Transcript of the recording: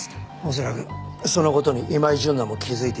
恐らくその事に今井純奈も気づいていた。